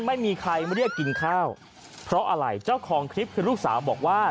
ไม่มีใครเรียกกินข้าวเพราะอะไรเจ้าของคลิปคือลูกสาวบอกว่า